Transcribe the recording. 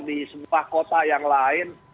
di sebuah kota yang lain